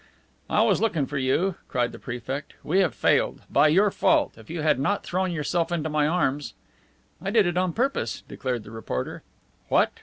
"I was looking for you," cried the Prefect. "We have failed. By your fault! If you had not thrown yourself into my arms " "I did it on purpose," declared the reporter. "What!